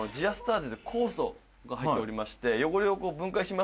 酵素が入っておりまして。